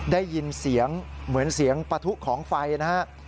ได้ยินเสียงเหมือนเสียงปะทุของไฟนะฮะ